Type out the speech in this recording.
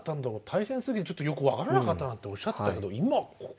大変すぎてちょっとよく分からなかったっておっしゃってたけど今。